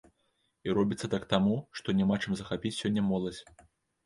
І робіцца так таму, што няма чым захапіць сёння моладзь.